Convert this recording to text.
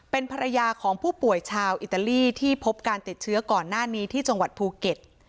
เป็นภรรยาของผู้ป่วยชาวอิตาลีที่พบการติดเชื้อก่อนหน้านี้ที่จังหวัดภูเก็ต